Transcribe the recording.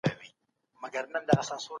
مذهب ته درناوی وکړئ.